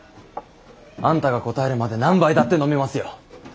あんたが答えるまで何杯だって飲みますよ。